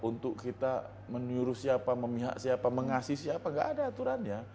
untuk kita menyuruh siapa mengasih siapa nggak ada aturannya